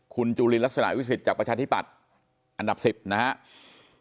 คุณจุลินลักษณะวิสิทธิจากประชาธิปัตย์อันดับ๑๐นะครับ